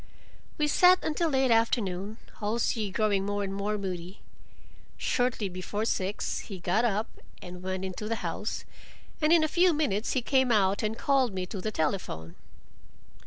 We sat until late afternoon, Halsey growing more and more moody. Shortly before six, he got up and went into the house, and in a few minutes he came out and called me to the telephone.